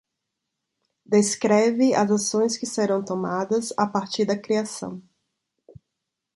descreve as ações que serão tomadas a partir da criação